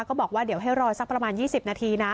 ก็บอกว่าเดี๋ยวให้รอสักประมาณ๒๐นาทีนะ